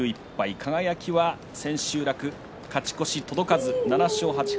輝は千秋楽、勝ち越しは届かず７勝８敗。